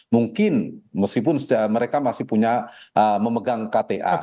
mungkin meskipun mereka masih punya memegang kta